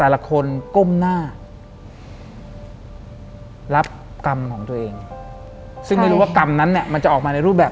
หลังจากนั้นเราไม่ได้คุยกันนะคะเดินเข้าบ้านอืม